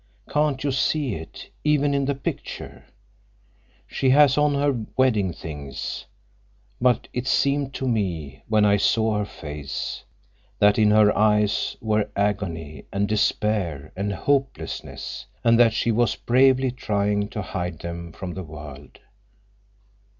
Can't you see it, even in the picture? She has on her wedding things. But it seemed to me—when I saw her face—that in her eyes were agony and despair and hopelessness, and that she was bravely trying to hide them from the world.